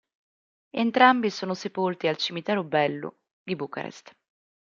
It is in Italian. Entrambi sono sepolti al cimitero Bellu di Bucarest.